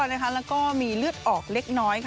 แล้วก็มีเลือดออกเล็กน้อย